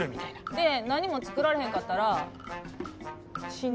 で何も作られへんかったら死ぬ？